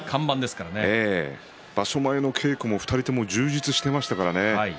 場所前の稽古は２人とも充実していましたからね。